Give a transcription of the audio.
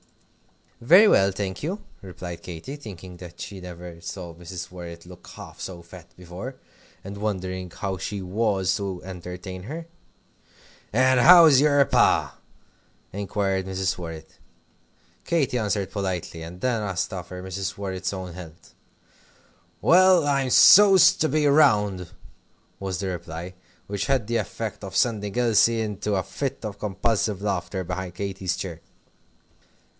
"Very well, thank you," replied Katy, thinking that she never saw Mrs. Worrett look half so fat before, and wondering how she was to entertain her. "And how's your Pa?" inquired Mrs. Worrett. Katy answered politely, and then asked after Mrs. Worrett's own health. "Well, I'm so's to be round," was the reply, which had the effect of sending Elsie off into a fit of convulsive laughter behind Katy's chair.